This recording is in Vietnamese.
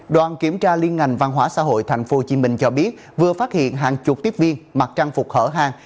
đoàn kiểm tra liên ngành văn hóa xã hội tp hcm cho biết vừa phát hiện hàng chục tiếp viên mặc trang phục hở hàng